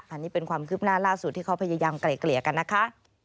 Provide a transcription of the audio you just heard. อันนี้เป็นความคืบหน้าล่าสุดที่เขาพยายามไกล่เกลี่ยกันนะคะ